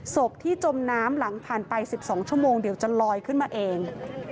ศพที่จมน้ำหลังผ่านไป๑๒ชั่วโมงเดี๋ยวจะลอยขึ้นมาเอง